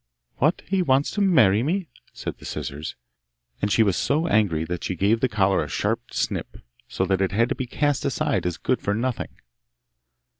'What! He wants to marry me?' said the scissors, and she was so angry that she gave the collar a sharp snip, so that it had to be cast aside as good for nothing.